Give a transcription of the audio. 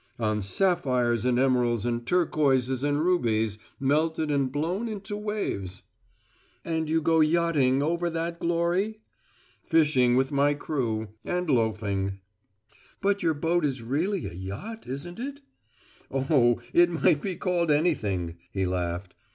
"On sapphires and emeralds and turquoises and rubies, melted and blown into waves." "And you go yachting over that glory?" "Fishing with my crew and loafing." "But your boat is really a yacht, isn't it?" "Oh, it might be called anything," he laughed.